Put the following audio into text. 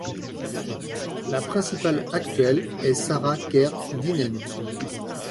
La principale actuelle est Sarah Kerr-Dineen.